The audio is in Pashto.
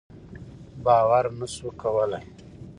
باور نه شو کولای.